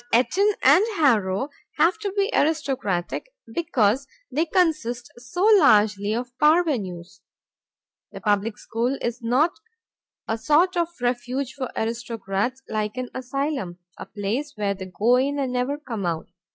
But Eton and Harrow have to be aristocratic because they consist so largely of parvenues. The public school is not a sort of refuge for aristocrats, like an asylum, a place where they go in and never come out.